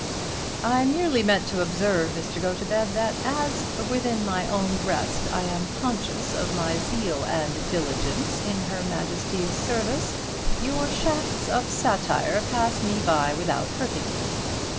"I merely meant to observe, Mr. Gotobed, that as, within my own breast, I am conscious of my zeal and diligence in Her Majesty's service your shafts of satire pass me by without hurting me.